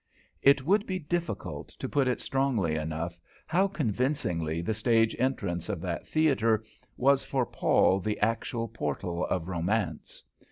It would be difficult to put it strongly enough how convincingly the stage entrance of that theatre was for Paul the actual portal of Romance.